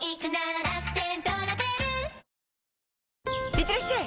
いってらっしゃい！